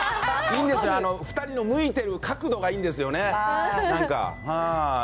いいんですよ、２人の向いてる角度がいいんですよね。